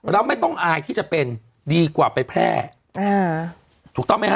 เราไม่ต้องอายที่จะเป็นดีกว่าไปแพร่อ่าถูกต้องไหมฮ